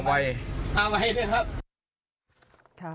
มาไวด้วยครับ